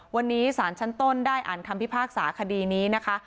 วันนี้สารชั้นต้นได้อ่านคำพิพากษาคดีนี้นะคะ